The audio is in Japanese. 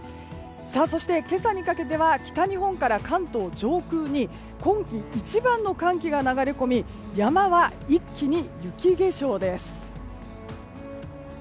そして、今朝にかけては北日本から関東上空に今季一番の寒気が流れ込み山は一気に雪化粧です。